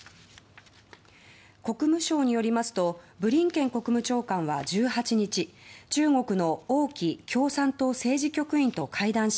国務省によりますとブリンケン国務長官は中国の王毅共産党政治局員と会談し